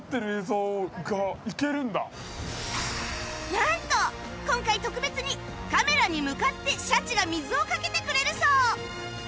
なんと今回特別にカメラに向かってシャチが水をかけてくれるそう